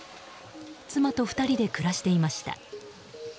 妻と２人で暮らしていました。